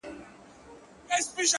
زه يې د ميني په چل څنگه پوه كړم،